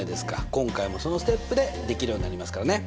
今回もそのステップでできるようになりますからね。